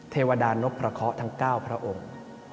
เทวดานพพระเคาะทั้ง๙พระองค์